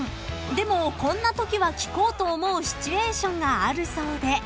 ［でもこんなときは聞こうと思うシチュエーションがあるそうで］